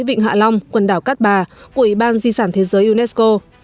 vịnh hạ long quần đảo cát bà của ủy ban di sản thế giới unesco